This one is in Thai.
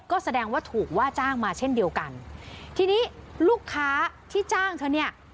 ก็แสดงว่าถูกว่าจ้างมาเช่นเดียวกันทีนี้ลูกค้าที่จ้างเธอเนี่ย